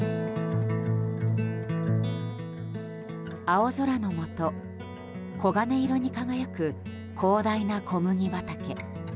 青空のもと黄金色に輝く広大な小麦畑。